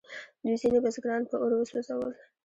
دوی ځینې بزګران په اور وسوځول.